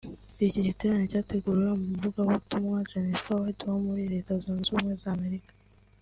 Iki giterane cyateguriwe umuvugabutumwa Jennifer Wilde wo muri Leta Zunze Ubumwe za Amerika